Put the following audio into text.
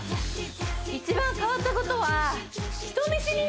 一番変わったことは人見知り！？